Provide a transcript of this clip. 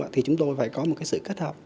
thì chúng tôi phải có một sự kết hợp